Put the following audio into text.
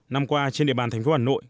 năm qua trên địa bàn thành phố hà nội